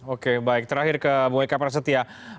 oke baik terakhir ke bu eka prasetya